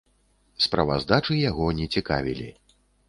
Справаздачы яго не цікавілі.